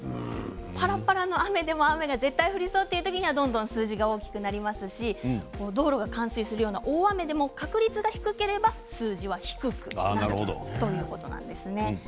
パラパラの雨でも雨が絶対降りそうという時にはどんどん数字が大きくなりますし道路が冠水するような大雨でも確率が低ければ数字は低くなるということなんですね。